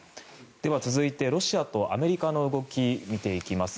続いてロシアとアメリカの動きを見ていきます。